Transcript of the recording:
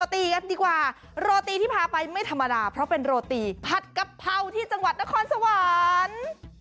ตีกันดีกว่าโรตีที่พาไปไม่ธรรมดาเพราะเป็นโรตีผัดกะเพราที่จังหวัดนครสวรรค์